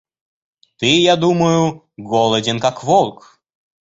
Ты, я думаю, голоден, как волк.